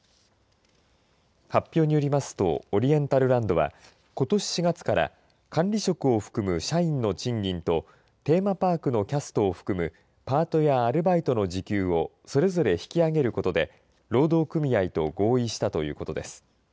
発表によりますとオリエンタルランドはことし４月から管理職を含む社員の賃金とテーマパークのキャストを含むパートやアルバイトの時給をそれぞれ引き上げることで労働組合と合意したということです。